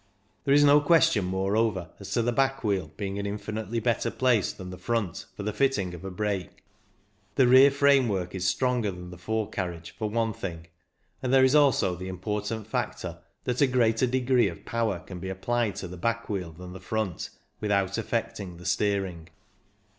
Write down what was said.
There is no question, moreover, as to the back wheel being an infinitely better place than the front for the fitting of a brake. The rear framework is stronger than the forecarriage, for one thing, and there is also the important factor that a greater degree of power can be applied to the back wheel than the front without affecting the steering.